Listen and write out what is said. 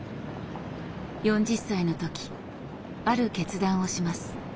４０歳の時ある決断をします。